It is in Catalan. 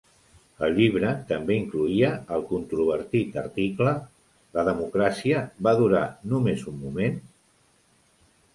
El llibre també incloïa el controvertit article "La democràcia va durar només un moment?"